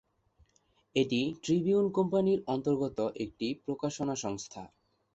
এটি ট্রিবিউন কোম্পানির অন্তর্গত একটি প্রকাশনা সংস্থা।